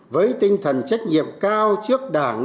với tinh thần trách nhiệm cao trước đảng